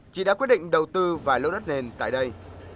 chị đã quyết định đầu tư vài lô đất nền tại đây